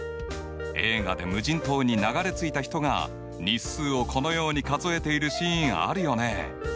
映画で無人島に流れ着いた人が日数をこのように数えているシーンあるよね。